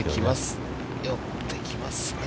寄ってきますが。